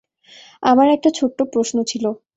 আমার একটা ছোট্ট প্রশ্ন ছিল।